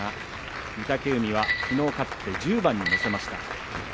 御嶽海はきのう勝って１０番に乗せました。